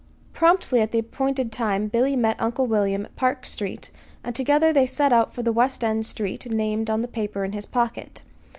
Promptly at the appointed time Billy met Uncle William at Park Street, and together they set out for the West End street named on the paper in his pocket.